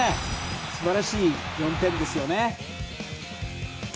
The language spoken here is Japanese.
素晴らしい４点ですよね。